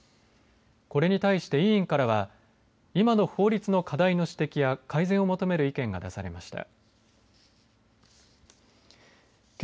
これに対して委員からは今の法律の課題の指摘や改善を求める意見が出されました。